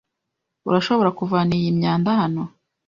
Urashobora kuvana iyi myanda hano?